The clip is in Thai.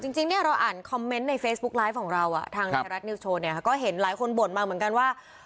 จริงเนี่ยเราอ่านคอมเมนต์ในเฟซบุ๊กไลฟ์ของเราทางไทยรัฐนิวส์โชว์เนี่ยก็เห็นหลายคนบ่นมาเหมือนกันว่า